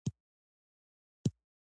دلته د دې سپيناوي اړتيا هم ده،